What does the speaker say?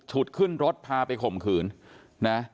ถูกขึ้นรถพาไปข่มคืน